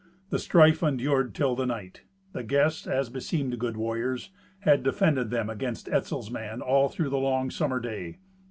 The strife endured till the night. The guests, as beseemed good warriors, had defended them against Etzel's men all through the long summer day.